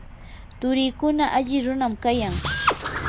turiikuna alli runam kayan.